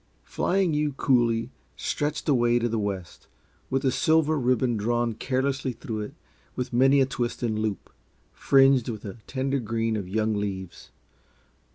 Flying U coulee stretched away to the west, with a silver ribbon drawn carelessly through it with many a twist and loop, fringed with a tender green of young leaves.